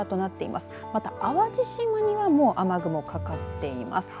また、淡路島にはもう雨雲がかかっています。